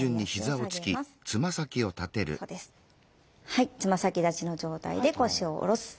はいつま先立ちの状態で腰を下ろす。